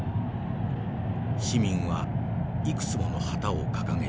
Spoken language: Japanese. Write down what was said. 市民はいくつもの旗を掲げていた。